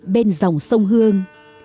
bên dòng sông hương